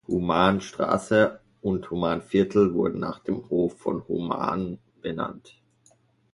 Humannstraße und Humannviertel wurden nach dem Hof von Humann benannt.